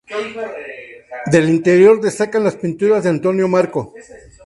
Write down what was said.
Del interior destacan las pinturas de Antonio Marco.